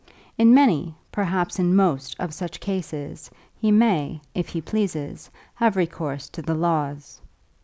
In many, perhaps in most of such cases, he may, if he please, have recourse to the laws.